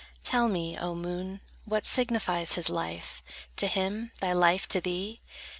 Tell me, O moon, what signifies his life To him, thy life to thee?